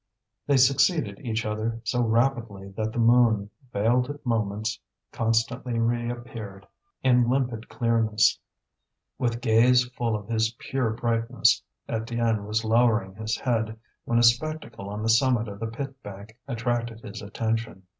They succeeded each other so rapidly that the moon, veiled at moments, constantly reappeared in limpid clearness. With gaze full of this pure brightness, Étienne was lowering his head, when a spectacle on the summit of the pit bank attracted his attention.